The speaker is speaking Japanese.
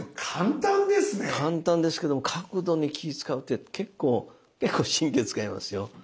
簡単ですけども角度に気遣うって結構結構神経使いますよ。